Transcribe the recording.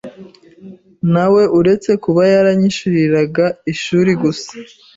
na we uretse kuba yaranyishyuriraga ishuri gusa,